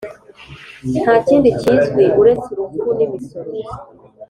ntakindi kizwi uretse urupfu n'imisoro